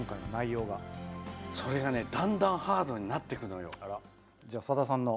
それがだんだんハードになっていくのよ。